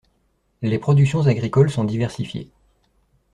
Les productions agricoles sont diversifiées.